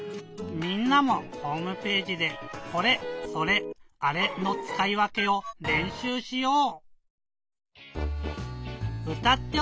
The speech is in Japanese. みんなもホームページで「これ」「それ」「あれ」のつかいわけをれんしゅうしよう！